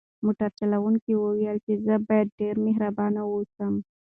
موټر چلونکي وویل چې زه باید ډېر مهربان واوسم.